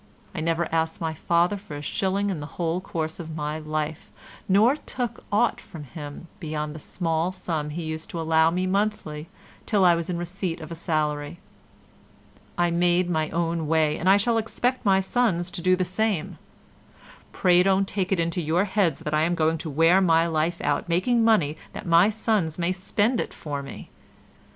I never asked my father for a shilling in the whole course of my life, nor took aught from him beyond the small sum he used to allow me monthly till I was in receipt of a salary. I made my own way and I shall expect my sons to do the same. Pray don't take it into your heads that I am going to wear my life out making money that my sons may spend it for me.